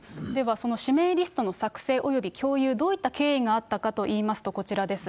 その指名リストの作成及び共有、どういった経緯があったかといいますと、こちらです。